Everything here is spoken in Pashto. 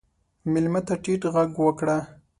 مېلمه ته ټیټ غږ وکړه.